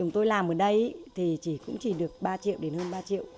tôi làm ở đây thì chỉ cũng chỉ được ba triệu đến hơn ba triệu